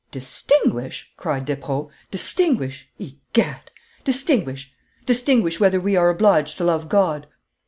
'Distinguish!' cried Despreaux; 'distinguish, egad! distinguish! Distinguish whether we are obliged to love God!